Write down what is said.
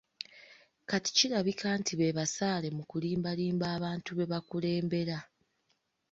Kati kirabika nti be basaale mu kulimbalimba abantu be bakulembera.